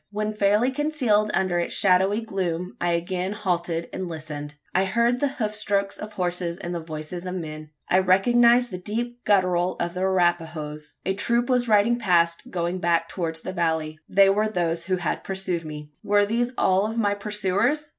When fairly concealed under its shadowy gloom, I again halted and listened. I heard the hoof strokes of horses and the voices of men. I recognised the deep guttural of the Arapahoes. A troop was riding past, going back towards the valley. They were those who had pursued me. Were these all of my pursuers.